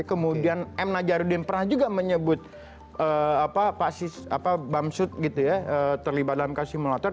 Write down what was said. kemudian m najarudin pernah juga menyebut pak bamsud terlibat dalam kasus simulator